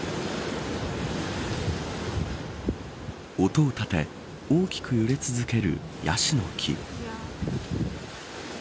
音を立て大きく揺れ続ける、やしの木。